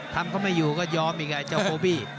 ทำเขาไม่อยู่ก็ยอมอีกไงเจ้าโบบี้